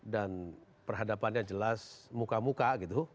dan perhadapannya jelas muka muka gitu